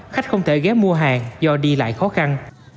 khách không thể ghé mua hàng do đi lại khó khăn